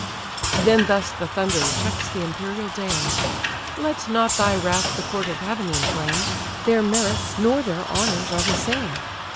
Then thus the Thunderer checks the imperial dame: "Let not thy wrath the court of heaven inflame; Their merits, nor their honours, are the same.